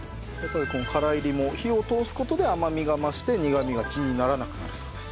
空炒りも火を通す事で甘みが増して苦みが気にならなくなるそうです。